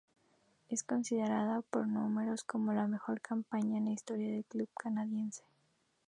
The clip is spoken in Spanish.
Es considerado por números, como la mejor campaña en la historia del club canadiense.